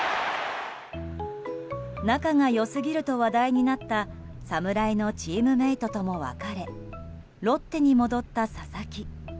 仲が良すぎると話題になった侍のチームメートとも別れロッテに戻った佐々木。